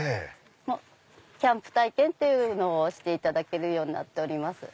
キャンプ体験っていうのをしていただけるようになってます。